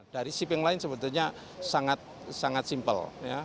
dari sipping lain sebetulnya sangat simple